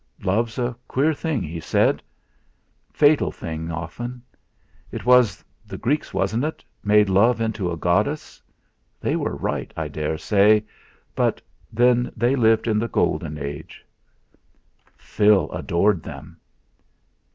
"Love's a queer thing," he said, "fatal thing often. It was the Greeks wasn't it? made love into a goddess; they were right, I dare say, but then they lived in the Golden Age." "Phil adored them."